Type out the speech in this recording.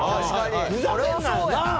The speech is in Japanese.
「ふざけんなよ。なあ？」